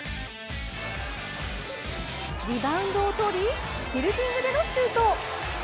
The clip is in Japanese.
リバウンドをとりティルティングでのシュート。